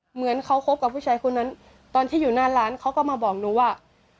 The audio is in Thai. เหมือนเขาคบกับผู้ชายคนนั้นตอนที่อยู่หน้าร้านเขาก็มาบอกหนูว่า